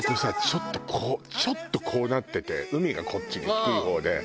ちょっとこうちょっとこうなってて海がこっちに低い方で。